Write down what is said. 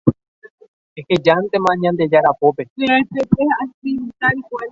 Ehejántema Ñandejára pópe